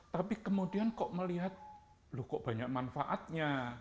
tapi kemudian kok melihat loh kok banyak manfaatnya